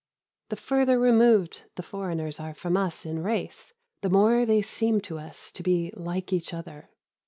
The further removed the foreigners are from us in race the more they seem to us to be like each other.